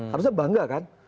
harusnya bangga kan